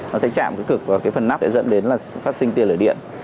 nó sẽ chạm cực cực vào cái phần nắp để dẫn đến là phát sinh tiền lửa điện